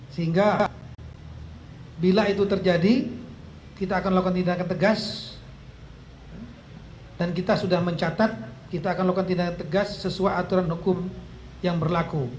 sehingga bila itu terjadi kita akan melakukan tindakan tegas dan kita sudah mencatat kita akan lakukan tindakan tegas sesuai aturan hukum yang berlaku